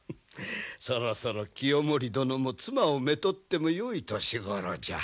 そろそろ清盛殿も妻をめとってもよい年頃じゃ。